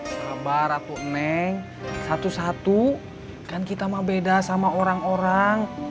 sabar ratu neng satu satu kan kita mah beda sama orang orang